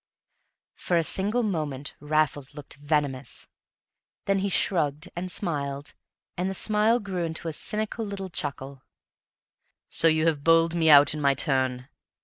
For a single moment Raffles looked venomous; then he shrugged and smiled, and the smile grew into a little cynical chuckle. "So you have bowled me out in my turn?"